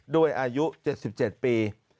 ด้วยอายุ๗๗ปี